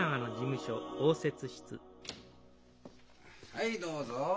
はいどうぞ。